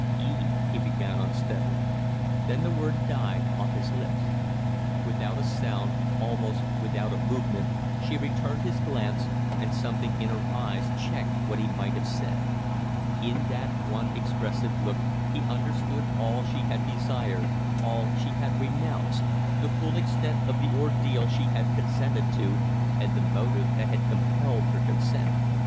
"Eve " he began, unsteadily; then the word died off his lips. Without a sound, almost without a movement, she returned his glance, and something in her eyes checked what he might have said. In that one expressive look he understood all she had desired, all she had renounced the full extent of the ordeal she had consented to, and the motive that had compelled her consent.